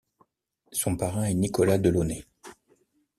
Son parrain est Nicolas Delaunay.